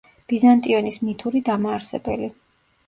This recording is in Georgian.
ბიზანტიონის მითური დამაარსებელი.